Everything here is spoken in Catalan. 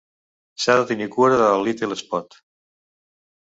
S'ha de tenir cura de Little Spot!